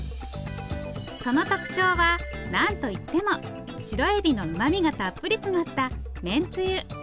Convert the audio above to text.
その特徴はなんと言ってもシロエビの旨味がたっぷり詰まっためんつゆ。